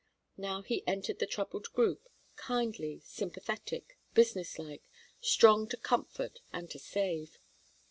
Now he entered the troubled group, kindly, sympathetic, business like, strong to comfort and to save.